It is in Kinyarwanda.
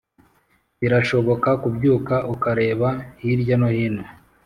birashoboka kubyuka ukareba hirya no hino